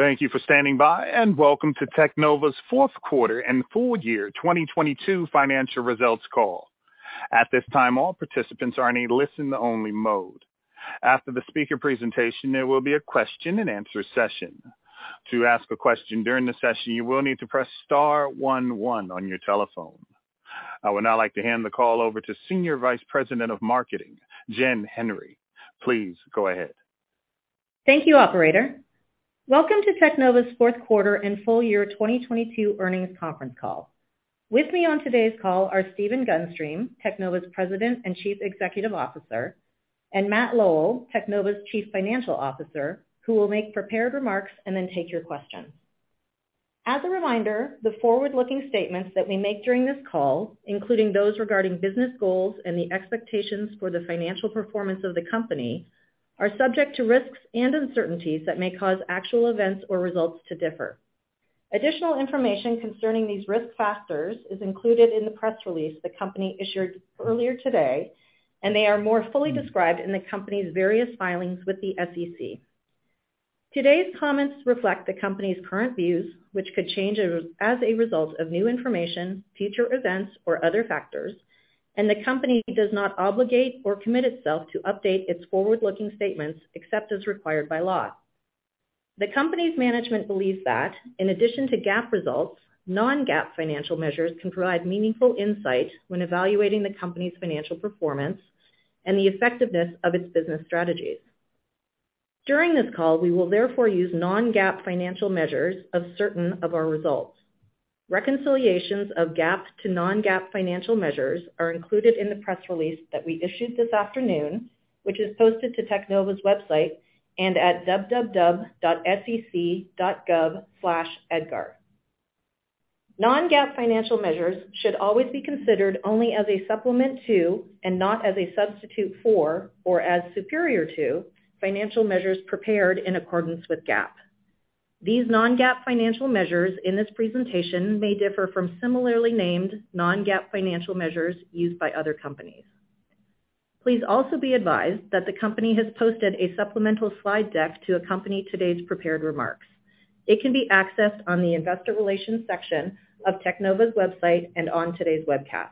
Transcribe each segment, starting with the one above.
Thank you for standing by and welcome to Teknova's fourth quarter and full year 2022 financial results call. At this time, all participants are in a listen only mode. After the speaker presentation, there will be a question-and-answer session. To ask a question during the session, you will need to press star one one on your telephone. I would now like to hand the call over to Senior Vice President of Marketing, Jen Henry. Please go ahead. Thank you, operator. Welcome to Teknova's fourth quarter and full year 2022 earnings conference call. With me on today's call are Stephen Gunstream, Teknova's President and Chief Executive Officer, and Matt Lowell, Teknova's Chief Financial Officer, who will make prepared remarks and then take your questions. As a reminder, the forward-looking statements that we make during this call, including those regarding business goals and the expectations for the financial performance of the company, are subject to risks and uncertainties that may cause actual events or results to differ. Additional information concerning these Risk Factors is included in the press release the company issued earlier today, and they are more fully described in the company's various filings with the SEC. Today's comments reflect the company's current views, which could change as a result of new information, future events or other factors, and the company does not obligate or commit itself to update its forward-looking statements except as required by law. The company's management believes that in addition to GAAP results, non-GAAP financial measures can provide meaningful insight when evaluating the company's financial performance and the effectiveness of its business strategies. During this call, we will therefore use non-GAAP financial measures of certain of our results. Reconciliations of GAAP to non-GAAP financial measures are included in the press release that we issued this afternoon, which is posted to Teknova's website and at www.SEC.gov/EDGAR. Non-GAAP financial measures should always be considered only as a supplement to and not as a substitute for or as superior to financial measures prepared in accordance with GAAP. These non-GAAP financial measures in this presentation may differ from similarly named non-GAAP financial measures used by other companies. Please also be advised that the company has posted a supplemental slide deck to accompany today's prepared remarks. It can be accessed on the investor relations section of Teknova's website and on today's webcast.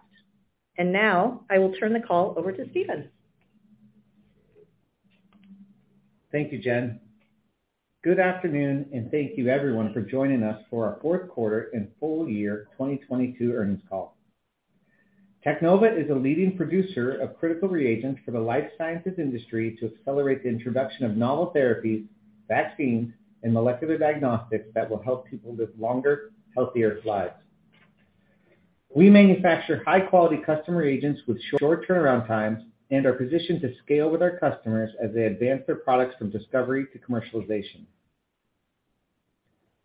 Now I will turn the call over to Stephen. Thank you, Jen. Good afternoon and thank you everyone for joining us for our fourth quarter and full year 2022 earnings call. Teknova is a leading producer of critical reagents for the life sciences industry to accelerate the introduction of novel therapies, vaccines and molecular diagnostics that will help people live longer, healthier lives. We manufacture high quality customer reagents with short turnaround times and are positioned to scale with our customers as they advance their products from discovery to commercialization.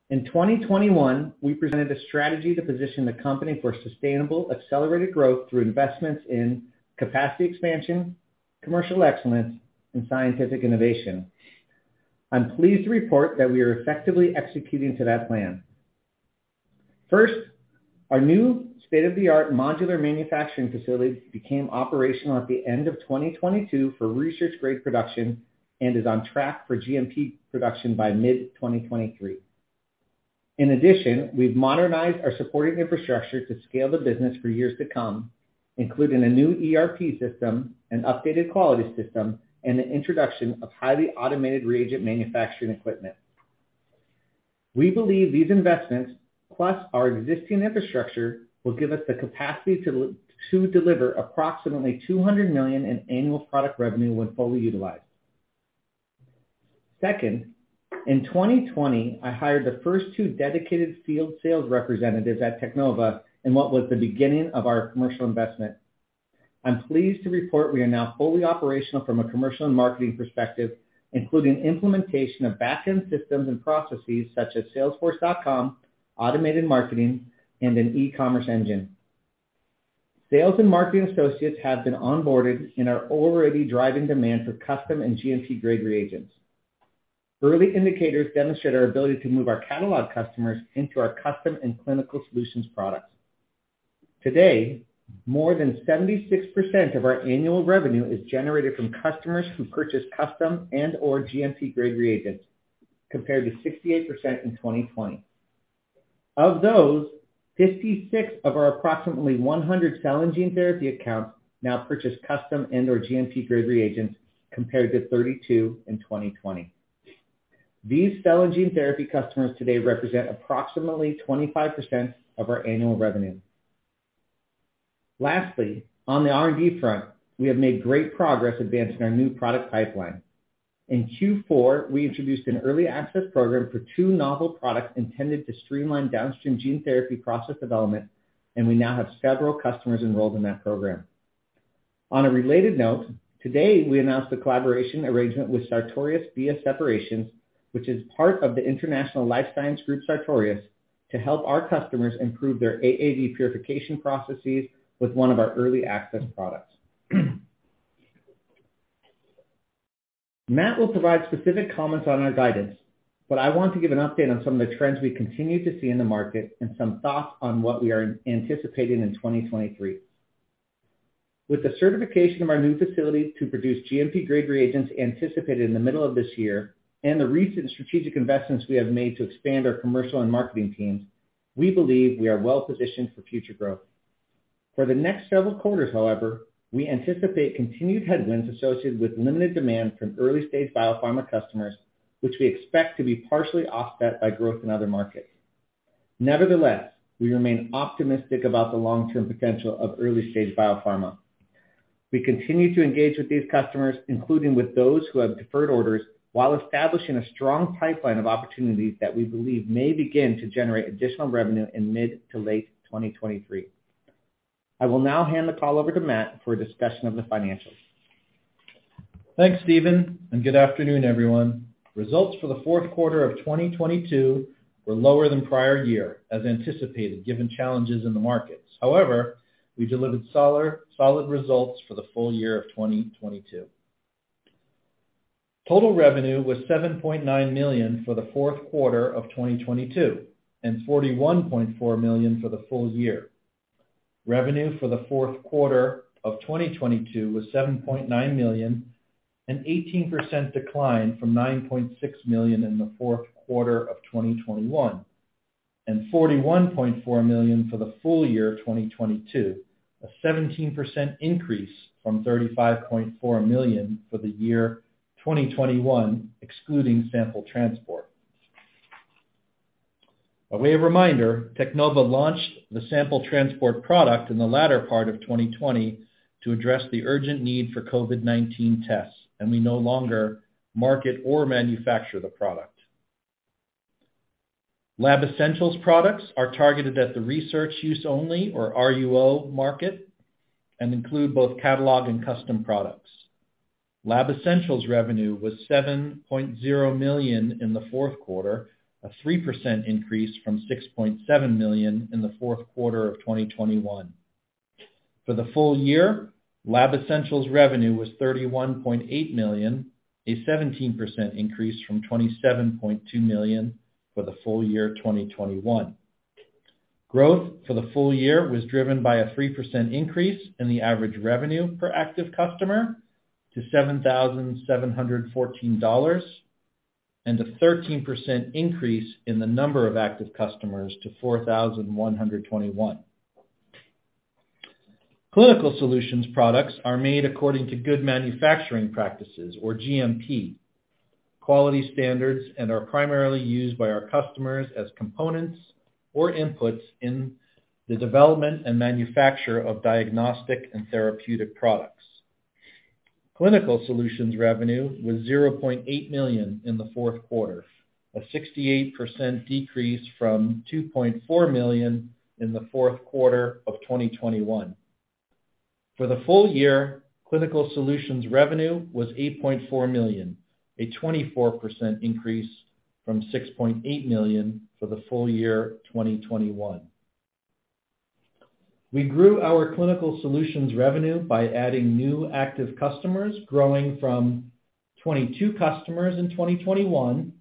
In 2021, we presented a strategy to position the company for sustainable accelerated growth through investments in capacity expansion, commercial excellence and scientific innovation. I'm pleased to report that we are effectively executing to that plan. First, our new state-of-the-art modular manufacturing facility became operational at the end of 2022 for research grade production and is on track for GMP production by mid-2023. In addition, we've modernized our supporting infrastructure to scale the business for years to come, including a new ERP system, an updated quality system and the introduction of highly automated reagent manufacturing equipment. We believe these investments plus our existing infrastructure will give us the capacity to deliver approximately $200 million in annual product revenue when fully utilized. Second, in 2020 I hired the first two dedicated field sales representatives at Teknova in what was the beginning of our commercial investment. I'm pleased to report we are now fully operational from a commercial and marketing perspective, including implementation of back-end systems and processes such as Salesforce.com, automated marketing and an e-commerce engine. Sales and marketing associates have been onboarded and are already driving demand for custom and GMP grade reagents. Early indicators demonstrate our ability to move our catalog customers into our custom and Clinical Solutions products. Today, more than 76% of our annual revenue is generated from customers who purchase custom and or GMP grade reagents, compared to 68% in 2020. Of those, 56 of our approximately 100 cell and gene therapy accounts now purchase custom and or GMP grade reagents compared to 32 in 2020. These cell and gene therapy customers today represent approximately 25% of our annual revenue. Lastly, on the R&D front, we have made great progress advancing our new product pipeline. In Q4 we introduced an early access program for two novel products intended to streamline downstream gene therapy process development, and we now have several customers enrolled in that program. On a related note, today we announced a collaboration arrangement with Sartorius BIA Separations, which is part of the international life science group Sartorius to help our customers improve their AAV purification processes with one of our early access products. Matt will provide specific comments on our guidance. I want to give an update on some of the trends we continue to see in the market and some thoughts on what we are anticipating in 2023. With the certification of our new facility to produce GMP grade reagents anticipated in the middle of this year and the recent strategic investments we have made to expand our commercial and marketing teams, we believe we are well-positioned for future growth. For the next several quarters, however, we anticipate continued headwinds associated with limited demand from early-stage biopharma customers, which we expect to be partially offset by growth in other markets. Nevertheless, we remain optimistic about the long-term potential of early-stage biopharma. We continue to engage with these customers, including with those who have deferred orders, while establishing a strong pipeline of opportunities that we believe may begin to generate additional revenue in mid to late 2023. I will now hand the call over to Matt for a discussion of the financials. Thanks, Stephen. Good afternoon, everyone. Results for the fourth quarter of 2022 were lower than prior year, as anticipated, given challenges in the markets. However, we delivered solid results for the full year of 2022. Total revenue was $7.9 million for the fourth quarter of 2022, and $41.4 million for the full year. Revenue for the fourth quarter of 2022 was $7.9 million, an 18% decline from $9.6 million in the fourth quarter of 2021, and $41.4 million for the full year of 2022, a 17% increase from $35.4 million for the year 2021, excluding Sample Transport. A way of reminder, Teknova launched the Sample Transport product in the latter part of 2020 to address the urgent need for COVID-19 tests. We no longer market or manufacture the product. Lab Essentials products are targeted at the research use only, or RUO market, include both catalog and custom products. Lab Essentials revenue was $7.0 million in the fourth quarter, a 3% increase from $6.7 million in the fourth quarter of 2021. For the full year, Lab Essentials revenue was $31.8 million, a 17% increase from $27.2 million for the full year 2021. Growth for the full year was driven by a 3% increase in the average revenue per active customer to $7,714, and a 13% increase in the number of active customers to 4,121. Clinical Solutions products are made according to good manufacturing practices, or GMP, quality standards, and are primarily used by our customers as components or inputs in the development and manufacture of diagnostic and therapeutic products. Clinical Solutions revenue was $0.8 million in the fourth quarter, a 68% decrease from $2.4 million in the fourth quarter of 2021. For the full year, Clinical Solutions revenue was $8.4 million, a 24% increase from $6.8 million for the full year 2021. We grew our Clinical Solutions revenue by adding new active customers, growing from 22 customers in 2021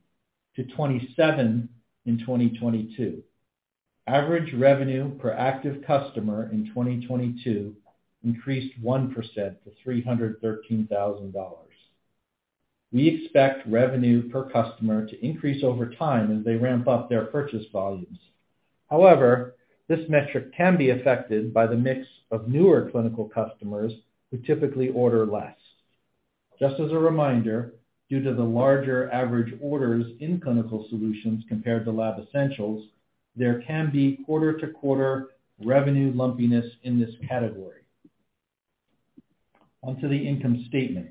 to 27 in 2022. Average revenue per active customer in 2022 increased 1% to $313,000. We expect revenue per customer to increase over time as they ramp up their purchase volumes. This metric can be affected by the mix of newer clinical customers who typically order less. Just as a reminder, due to the larger average orders in Clinical Solutions compared to Lab Essentials, there can be quarter-to-quarter revenue lumpiness in this category. Onto the income statement.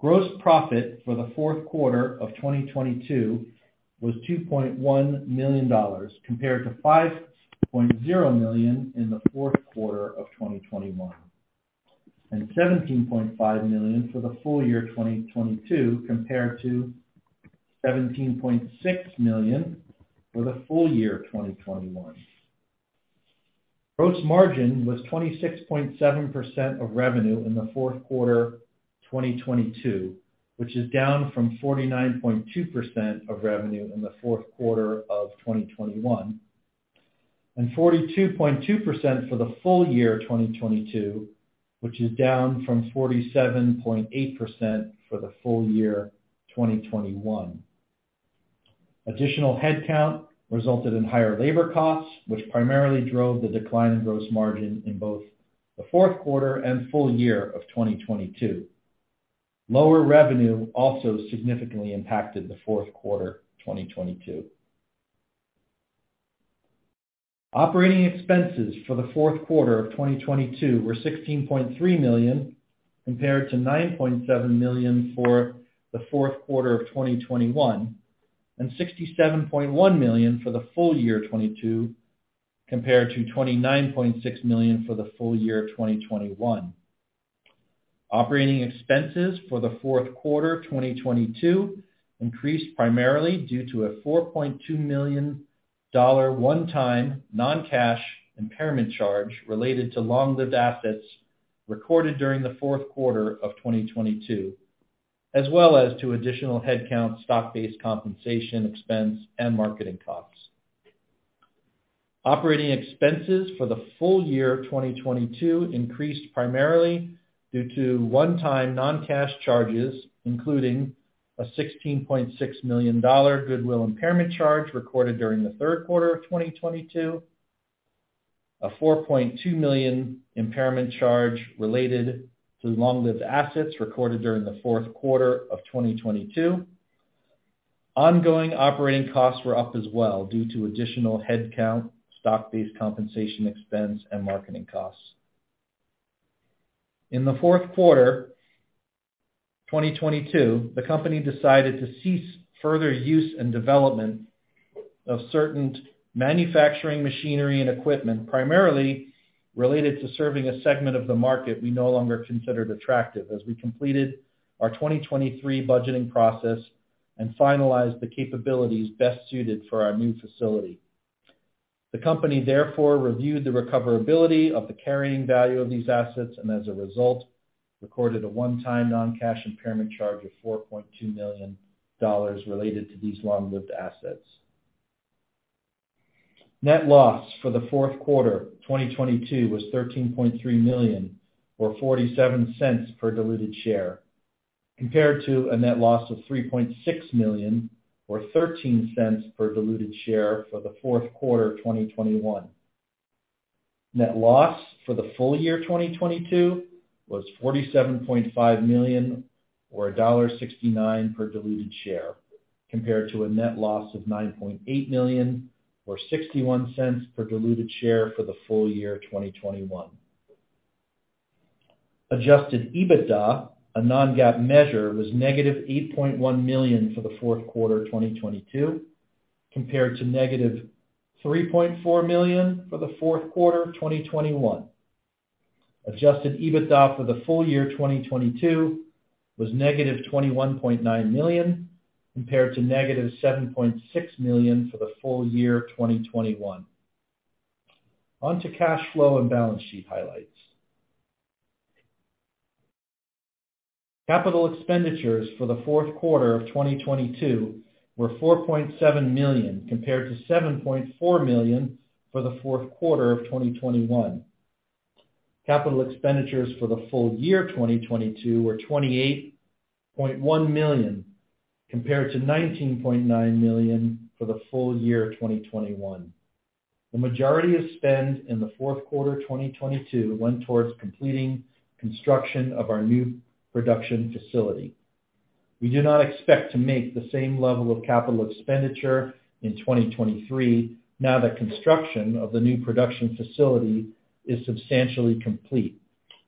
Gross profit for the fourth quarter of 2022 was $2.1 million, compared to $5.0 million in the fourth quarter of 2021, and $17.5 million for the full year of 2022, compared to $17.6 million for the full year of 2021. Gross margin was 26.7% of revenue in the fourth quarter of 2022, which is down from 49.2% of revenue in the fourth quarter of 2021, and 42.2% for the full year of 2022, which is down from 47.8% for the full year of 2021. Additional headcount resulted in higher labor costs, which primarily drove the decline in gross margin in both the fourth quarter and full year of 2022. Lower revenue also significantly impacted the fourth quarter of 2022. Operating expenses for the fourth quarter of 2022 were $16.3 million, compared to $9.7 million for the fourth quarter of 2021, and $67.1 million for the full year of 2022, compared to $29.6 million for the full year of 2021. Operating expenses for the fourth quarter of 2022 increased primarily due to a $4.2 million one-time non-cash impairment charge related to long-lived assets recorded during the fourth quarter of 2022, as well as to additional headcount, stock-based compensation expense, and marketing costs. Operating expenses for the full year 2022 increased primarily due to one-time non-cash charges, including a $16.6 million goodwill impairment charge recorded during the third quarter of 2022, a $4.2 million impairment charge related to long-lived assets recorded during the fourth quarter of 2022. Ongoing operating costs were up as well due to additional headcount, stock-based compensation expense, and marketing costs. In the fourth quarter 2022, the company decided to cease further use and development of certain manufacturing machinery and equipment, primarily related to serving a segment of the market we no longer considered attractive as we completed our 2023 budgeting process and finalized the capabilities best suited for our new facility. The company, therefore, reviewed the recoverability of the carrying value of these assets and as a result, recorded a one-time non-cash impairment charge of $4.2 million related to these long-lived assets. Net loss for the fourth quarter 2022 was $13.3 million or $0.47 per diluted share, compared to a net loss of $3.6 million or $0.13 per diluted share for the fourth quarter of 2021. Net loss for the full year 2022 was $47.5 million or $1.69 per diluted share, compared to a net loss of $9.8 million or $0.61 per diluted share for the full year 2021. Adjusted EBITDA, a non-GAAP measure, was -$8.1 million for the fourth quarter of 2022, compared to -$3.4 million for the fourth quarter of 2021. Adjusted EBITDA for the full year 2022 was -$21.9 million, compared to -$7.6 million for the full year of 2021. On to cash flow and balance sheet highlights. Capital expenditures for the fourth quarter of 2022 were $4.7 million compared to $7.4 million for the fourth quarter of 2021. Capital expenditures for the full year 2022 were $28.1 million compared to $19.9 million for the full year of 2021. The majority of spend in the fourth quarter of 2022 went towards completing construction of our new production facility. We do not expect to make the same level of capital expenditure in 2023 now that construction of the new production facility is substantially complete,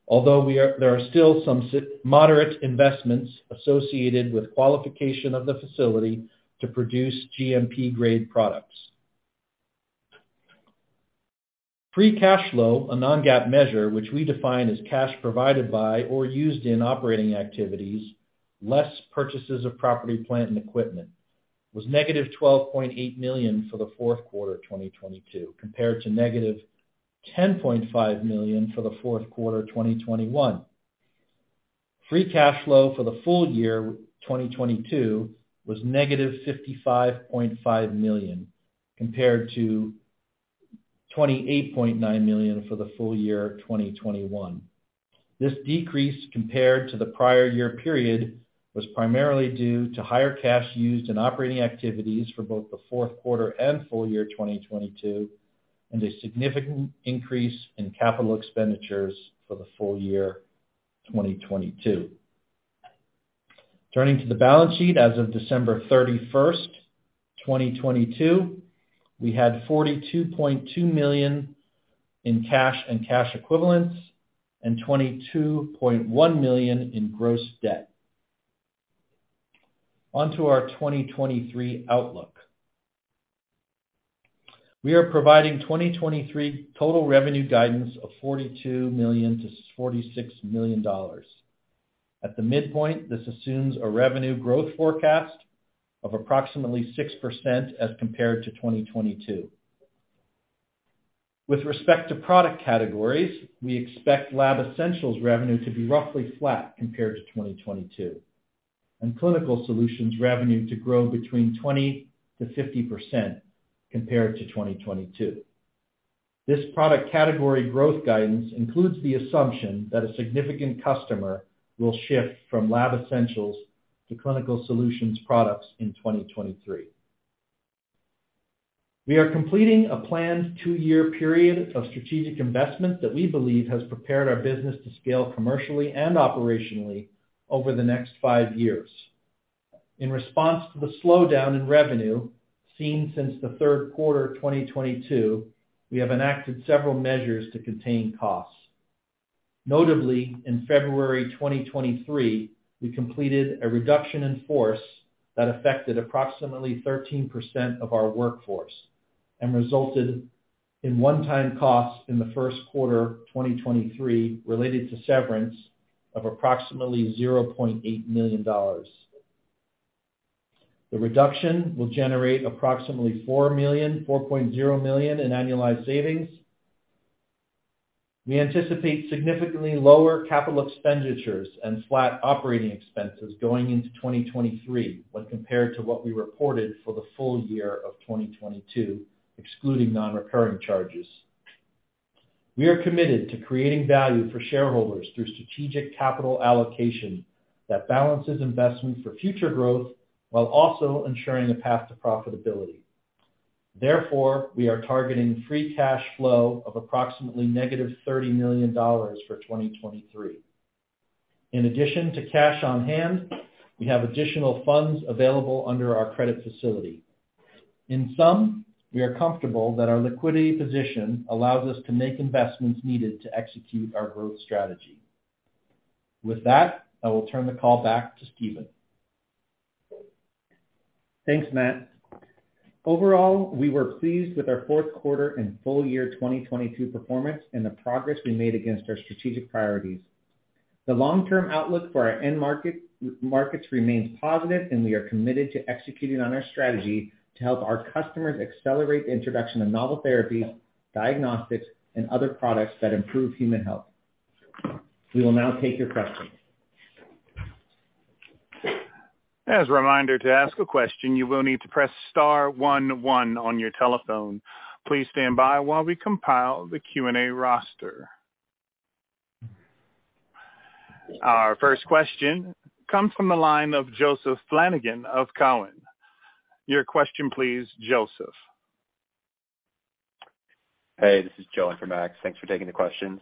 although there are still some moderate investments associated with qualification of the facility to produce GMP-grade products. Free Cash Flow, a non-GAAP measure, which we define as cash provided by or used in operating activities, less purchases of property, plant, and equipment, was -$12.8 million for the fourth quarter of 2022, compared to -$10.5 million for the fourth quarter of 2021. Free Cash Flow for the full year 2022 was -$55.5 million compared to $28.9 million for the full year of 2021. This decrease compared to the prior year period was primarily due to higher cash used in operating activities for both the fourth quarter and full year of 2022, and a significant increase in capital expenditures for the full year of 2022. Turning to the balance sheet as of December 31st, 2022, we had $42.2 million in cash and cash equivalents and $22.1 million in gross debt. On to our 2023 outlook. We are providing 2023 total revenue guidance of $42 million-$46 million. At the midpoint, this assumes a revenue growth forecast of approximately 6% as compared to 2022. With respect to product categories, we expect Lab Essentials revenue to be roughly flat compared to 2022, and Clinical Solutions revenue to grow between 20%-50% compared to 2022. This product category growth guidance includes the assumption that a significant customer will shift from Lab Essentials to Clinical Solutions products in 2023. We are completing a planned two-year period of strategic investment that we believe has prepared our business to scale commercially and operationally over the next five years. In response to the slowdown in revenue seen since the third quarter of 2022, we have enacted several measures to contain costs. Notably, in February 2023, we completed a reduction in force that affected approximately 13% of our workforce and resulted in one-time costs in the first quarter of 2023 related to severance of approximately $0.8 million. The reduction will generate approximately $4.0 million in annualized savings. We anticipate significantly lower CapEx and flat OpEx going into 2023 when compared to what we reported for the full year of 2022, excluding non-recurring charges. We are committed to creating value for shareholders through strategic capital allocation that balances investment for future growth while also ensuring a path to profitability. We are targeting Free Cash Flow of approximately -$30 million for 2023. In addition to cash on hand, we have additional funds available under our credit facility. We are comfortable that our liquidity position allows us to make investments needed to execute our growth strategy. With that, I will turn the call back to Stephen. Thanks, Matt. Overall, we were pleased with our fourth quarter and full year 2022 performance and the progress we made against our strategic priorities. The long-term outlook for our end markets remains positive. We are committed to executing on our strategy to help our customers accelerate the introduction of novel therapies, diagnostics, and other products that improve human health. We will now take your questions. As a reminder, to ask a question, you will need to press star one one on your telephone. Please stand by while we compile the Q&A roster. Our first question comes from the line of Joseph Flanagan of Cowen. Your question please, Joseph. Hey, this is Joe. Thanks for taking the questions.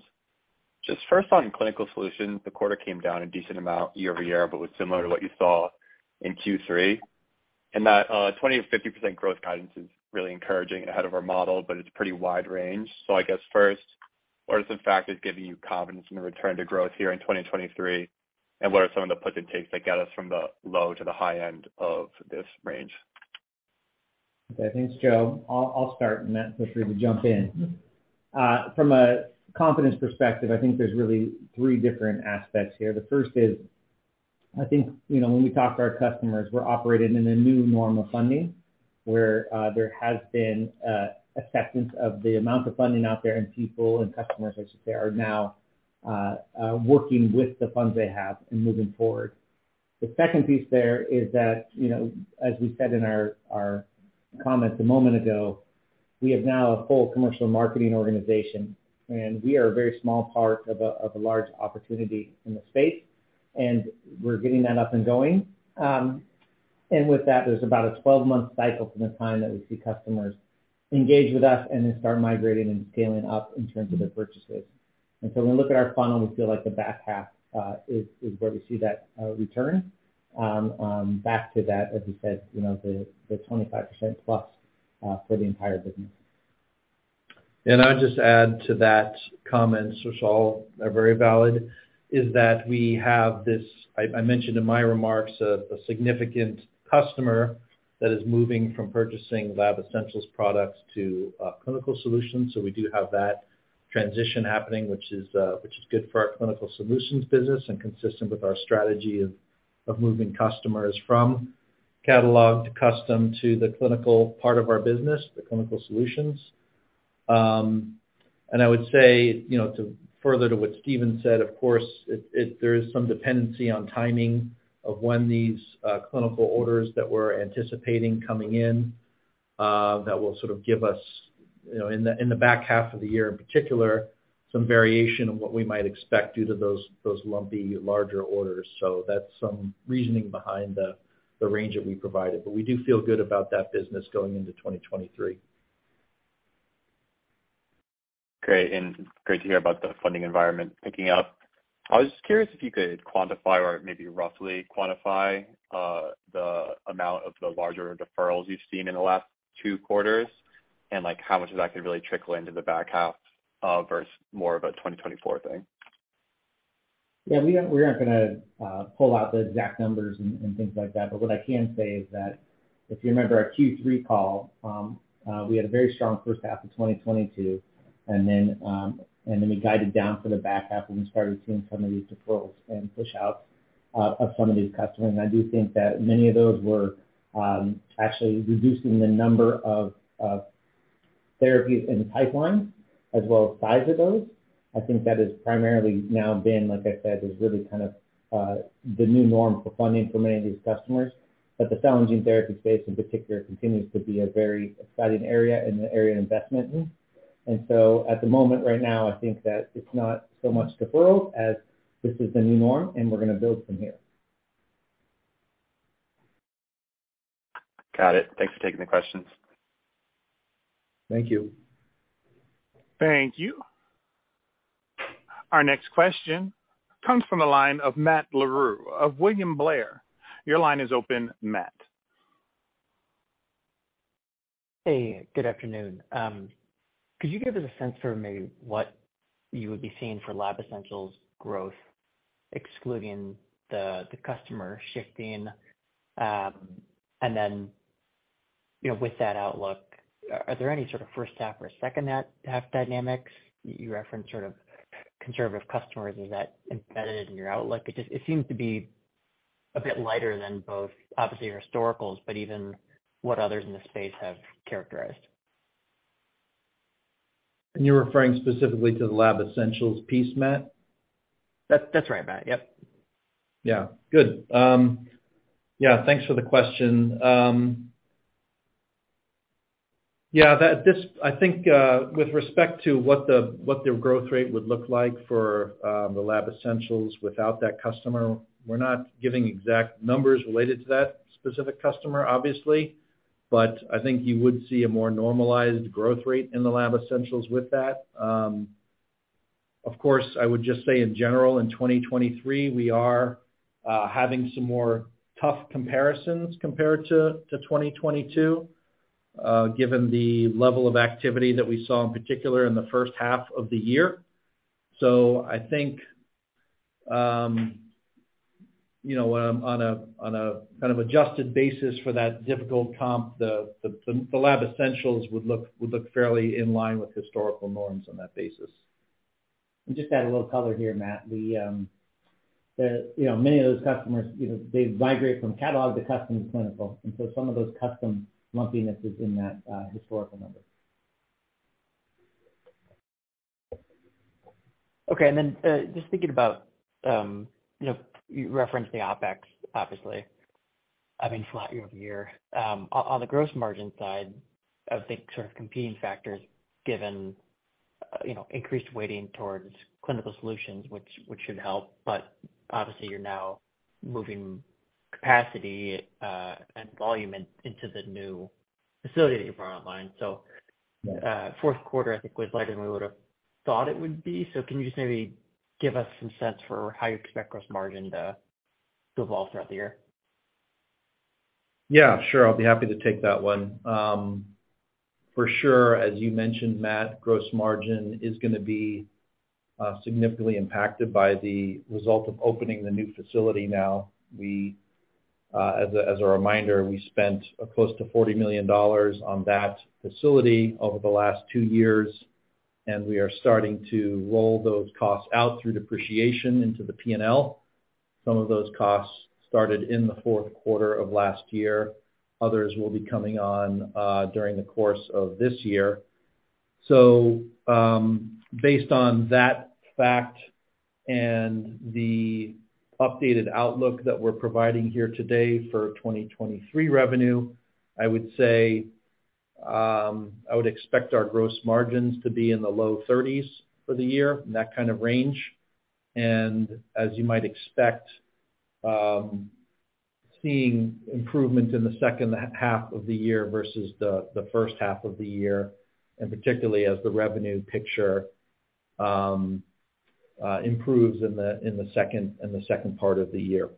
Just first on Clinical Solutions, the quarter came down a decent amount year-over-year, but was similar to what you saw in Q3. That 20%-50% growth guidance is really encouraging ahead of our model, but it's pretty wide range. I guess first, what is the factor giving you confidence in the return to growth here in 2023? What are some of the puts and takes that get us from the low to the high end of this range? Okay. Thanks, Joe. I'll start, Matt, feel free to jump in. From a confidence perspective, I think there's really three different aspects here. The first is, I think, you know, when we talk to our customers, we're operating in a new norm of funding, where there has been acceptance of the amount of funding out there, people and customers, I should say, are now working with the funds they have in moving forward. The second piece there is that, you know, as we said in our comments a moment ago, we have now a full commercial marketing organization, we are a very small part of a large opportunity in the space, we're getting that up and going. With that, there's about a 12-month cycle from the time that we see customers engage with us and then start migrating and scaling up in terms of their purchases. When we look at our funnel, we feel like the back half, is where we see that, return, back to that, as we said, you know, the 25%+, for the entire business. I'll just add to that comment, which all are very valid, is that we have I mentioned in my remarks a significant customer that is moving from purchasing Lab Essentials products to Clinical Solutions. We do have that transition happening, which is good for our Clinical Solutions business and consistent with our strategy of moving customers from catalog to custom to the clinical part of our business, the Clinical Solutions. I would say, you know, to further to what Stephen said, of course, there is some dependency on timing of when these clinical orders that we're anticipating coming in, that will sort of give us, you know, in the back half of the year, in particular, some variation of what we might expect due to those lumpy larger orders so that's some reasoning behind the range that we provided. We do feel good about that business going into 2023. Great. Great to hear about the funding environment picking up. I was just curious if you could quantify or maybe roughly quantify the amount of the larger deferrals you've seen in the last two quarters and, like, how much of that could really trickle into the back half versus more of a 2024 thing. Yeah. We aren't going to pull out the exact numbers and things like that. What I can say is that, if you remember our Q3 call, we had a very strong first half of 2022, and then we guided down for the back half when we started seeing some of these deferrals and pushouts of some of these customers. I do think that many of those were actually reducing the number of therapies in the pipeline as well as size of those. I think that has primarily now been, like I said, is really kind of the new norm for funding for many of these customers. The cell and gene therapy space in particular continues to be a very exciting area and an area of investment in.At the moment right now, I think that it's not so much deferrals as this is the new norm, and we're gonna build from here. Got it. Thanks for taking the questions. Thank you. Thank you. Our next question comes from the line of Matt Larew of William Blair. Your line is open, Matt. Hey, good afternoon. Could you give us a sense for maybe what you would be seeing for Lab Essentials growth, excluding the customer shifting? Then, you know, with that outlook, are there any sort of first half or second half dynamics? You referenced sort of conservative customers. Is that embedded in your outlook? It just, it seems to be a bit lighter than both, obviously your historicals, but even what others in the space have characterized. You're referring specifically to the Lab Essentials piece, Matt? That's right, Matt. Yep. Yeah. Good. Yeah, thanks for the question. Yeah, this I think, with respect to what the, what the growth rate would look like for the Lab Essentials without that customer, we're not giving exact numbers related to that specific customer, obviously. I think you would see a more normalized growth rate in the Lab Essentials with that. Of course, I would just say in general, in 2023, we are having some more tough comparisons compared to 2022, given the level of activity that we saw, in particular, in the first half of the year. I think, you know, on a, on a kind of adjusted basis for that difficult comp, the Lab Essentials would look fairly in line with historical norms on that basis. Just to add a little color here, Matt. The, you know, many of those customers, you know, they migrate from catalog to custom to clinical, and so some of those custom lumpiness is in that historical number. Okay. Just thinking about, you know, you referenced the OpEx, obviously, I mean, flat year-over-year. On the gross margin side, I would think sort of competing factors given, you know, increased weighting towards Clinical Solutions, which should help. Obviously you're now moving capacity and volume into the new facility that you brought online. Fourth quarter, I think, was lighter than we would've thought it would be. Can you just maybe give us some sense for how you expect gross margin to evolve throughout the year? Yeah, sure. I'll be happy to take that one. For sure, as you mentioned, Matt, gross margin is gonna be significantly impacted by the result of opening the new facility now. We, as a reminder, we spent close to $40 million on that facility over the last two years, and we are starting to roll those costs out through depreciation into the P&L. Some of those costs started in the fourth quarter of last year. Others will be coming on during the course of this year. Based on that fact and the updated outlook that we're providing here today for 2023 revenue, I would say, I would expect our gross margins to be in the low thirties for the year, in that kind of range. As you might expect, seeing improvement in the second half of the year versus the first half of the year, and particularly as the revenue picture, improves in the second part of the year.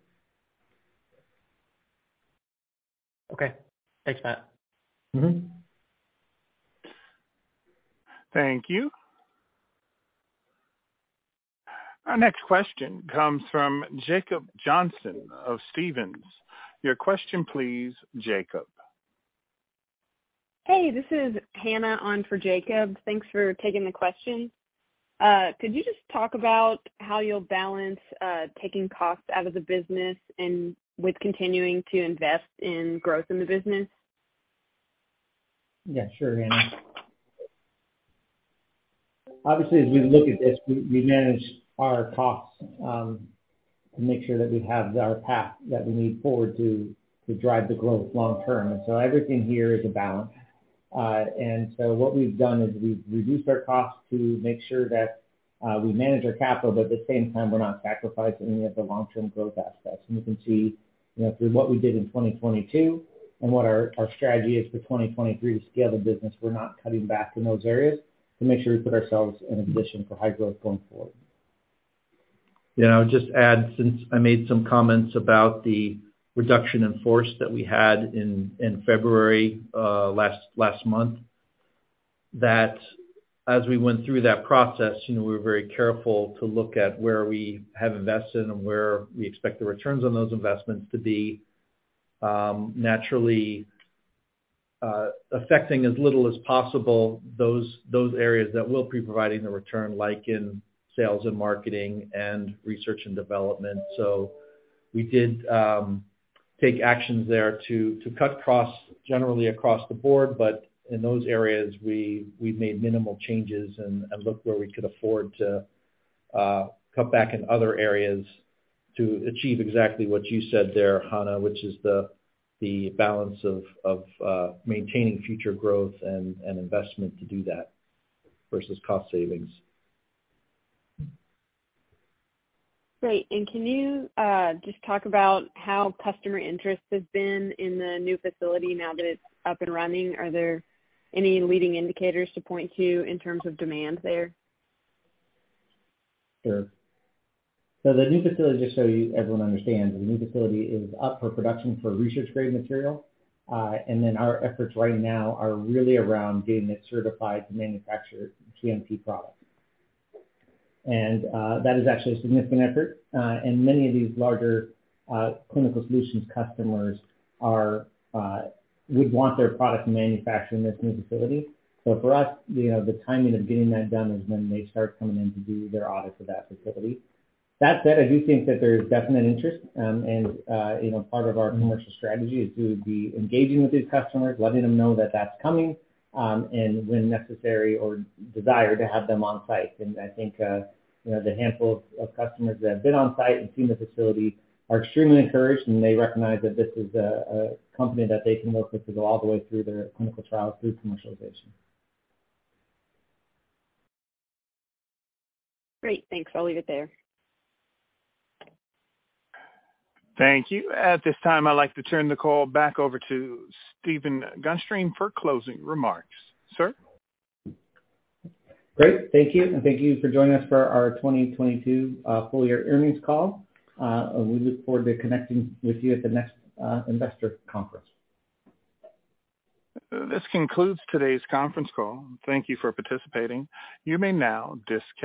Okay. Thanks, Matt. Mm-hmm. Thank you. Our next question comes from Jacob Johnson of Stephens. Your question please, Jacob. Hey, this is Hannah on for Jacob. Thanks for taking the question. Could you just talk about how you'll balance, taking costs out of the business and with continuing to invest in growth in the business? Yeah, sure, Hannah. Obviously, as we look at this, we manage our costs to make sure that we have our path that we need forward to drive the growth long term. Everything here is a balance. What we've done is we've reduced our costs to make sure that we manage our capital, but at the same time, we're not sacrificing any of the long-term growth aspects. You can see, you know, through what we did in 2022 and what our strategy is for 2023 to scale the business. We're not cutting back in those areas to make sure we put ourselves in a position for high growth going forward. Yeah, I'll just add, since I made some comments about the reduction in force that we had in February, last month, that as we went through that process, you know, we were very careful to look at where we have invested and where we expect the returns on those investments to be, naturally, affecting as little as possible those areas that will be providing the return, like in sales and marketing and research and development. We did take actions there to cut costs generally across the board, but in those areas, we made minimal changes and looked where we could afford to cut back in other areas to achieve exactly what you said there, Hannah, which is the balance of maintaining future growth and investment to do that versus cost savings. Great. Can you just talk about how customer interest has been in the new facility now that it's up and running? Are there any leading indicators to point to in terms of demand there? Sure. The new facility, just so you everyone understands, the new facility is up for production for research-grade material. Our efforts right now are really around getting it certified to manufacture GMP product. That is actually a significant effort. Many of these larger Clinical Solutions customers are would want their product manufactured in this new facility. For us, you know, the timing of getting that done is when they start coming in to do their audits of that facility. That said, I do think that there's definite interest, and, you know, part of our commercial strategy is to be engaging with these customers, letting them know that that's coming, and when necessary or desire to have them on site. I think, you know, the handful of customers that have been on site and seen the facility are extremely encouraged, and they recognize that this is a company that they can work with to go all the way through their clinical trial through commercialization. Great. Thanks. I'll leave it there. Thank you. At this time, I'd like to turn the call back over to Stephen Gunstream for closing remarks. Sir? Great. Thank you, and thank you for joining us for our 2022 full year earnings call. We look forward to connecting with you at the next investor conference. This concludes today's conference call. Thank you for participating. You may now disconnect.